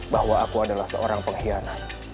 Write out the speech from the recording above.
bahwa aku adalah seorang pengkhianat